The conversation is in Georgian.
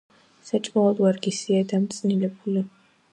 საჭმელად ვარგისია დამწნილებული.